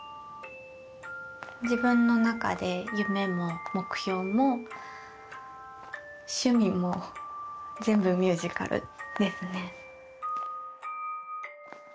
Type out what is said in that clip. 自分の中で夢も目標も趣味も全部ミュージカルですね。